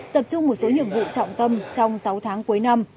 tập trung một số nhiệm vụ trọng tâm trong sáu tháng cuối năm